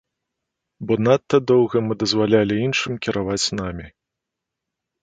Бо надта доўга мы дазвалялі іншым кіраваць намі.